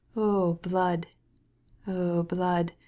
Oh, blood! oh, blood!"